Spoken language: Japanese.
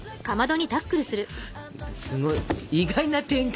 すごい意外な展開。